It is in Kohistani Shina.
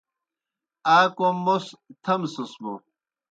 آ کوْم موْس تھمسَس بوْ